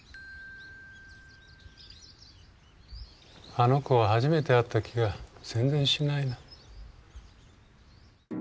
あの子は初めて会った気が全然しないな。